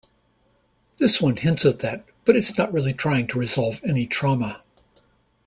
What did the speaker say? This one hints at that, but it's not really trying to resolve any trauma.